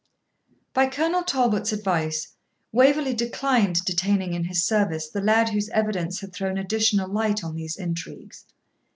By Colonel Talbot's advice, Waverley declined detaining in his service the lad whose evidence had thrown additional light on these intrigues.